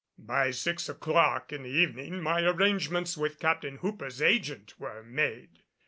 By six o'clock in the evening my arrangements with Captain Hooper's agent were made.